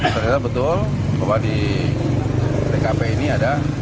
ternyata betul di dkp ini ada